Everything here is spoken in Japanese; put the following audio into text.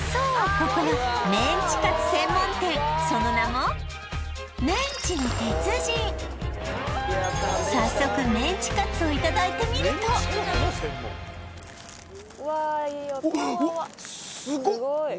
ここはメンチカツ専門店その名も早速メンチカツをいただいてみるとうわスゴ！